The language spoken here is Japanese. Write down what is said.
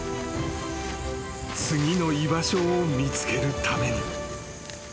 ［次の居場所を見つけるために］